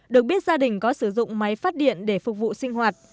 được biết gia đình có sử dụng máy phát điện để phục vụ sinh hoạt